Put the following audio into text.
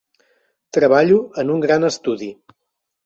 Treballo en un gran estudi.